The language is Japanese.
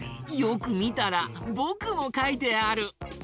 よくみたらぼくもかいてある！